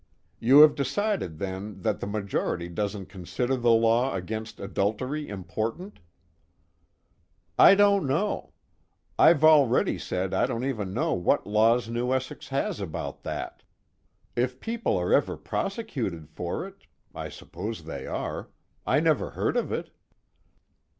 You have decided then that the majority doesn't consider the law against adultery important?" "I don't know I've already said I don't even know what laws New Essex has about that. If people are ever prosecuted for it I suppose they are I never heard of it."